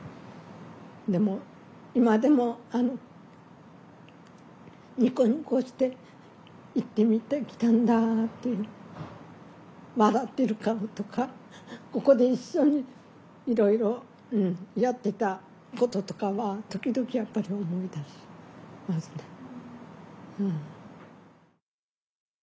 でも今でもあのにこにこして行って見てきたんだっていう笑ってる顔とかここで一緒にいろいろやってたこととかは時々やっぱり思い出しますね。